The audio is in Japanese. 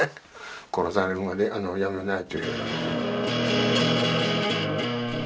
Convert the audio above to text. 殺されるまでやめない。